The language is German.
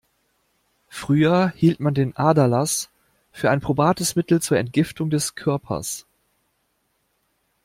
Früher hielt man den Aderlass für ein probates Mittel zur Entgiftung des Körpers.